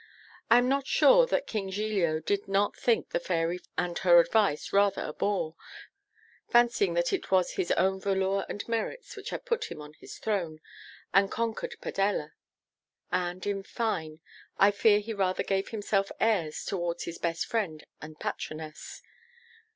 I am not sure that King Giglio did not think the Fairy and her advice rather a bore, fancying it was his own velour and merits which had put him on his throne, and conquered Padella: and, in fine, I fear he rather gave himself airs towards his best friend and patroness.